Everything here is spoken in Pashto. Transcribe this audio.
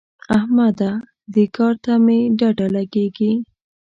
احمده! دې کار ته مې ډډه لګېږي.